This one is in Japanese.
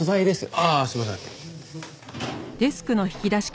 ああすいません。